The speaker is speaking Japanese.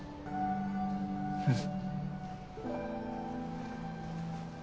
うん。